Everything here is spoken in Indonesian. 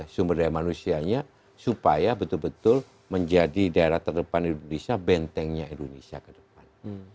sumber daya manusianya supaya betul betul menjadi daerah terdepan indonesia bentengnya indonesia ke depan